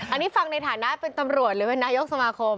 อันนี้ฟังในฐานะเป็นตำรวจหรือเป็นนายกสมาคม